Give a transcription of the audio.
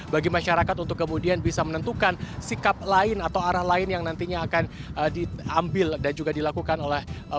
bagi masyarakat untuk kemudian bisa menentukan sikap lain atau arah lain yang nantinya akan diambil dan juga dilakukan oleh pemerintah